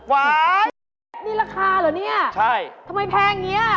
ว้ายนี่ราคาเหรอนี่ทำไมแพงอย่างนี้